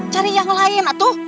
cari yang lain atuh